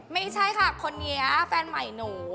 ไม่ใช่ค่ะคนนี้แฟนใหม่หนู